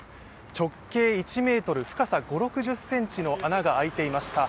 直径１ｍ、深さ５０６０ｃｍの穴が開いていました。